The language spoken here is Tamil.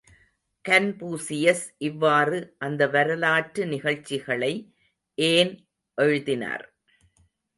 ◯ கன்பூசியஸ் இவ்வாறு அந்த வரலாற்று நிகழ்ச்சிகளை ஏன் எழுதினார்?